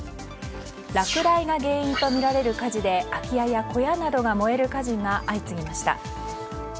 落雷が原因とみられる火事で空き家や小屋などが燃える火事が相次ぎました。